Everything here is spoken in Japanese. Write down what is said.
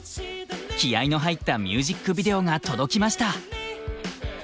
気合いの入ったミュージックビデオが届きました！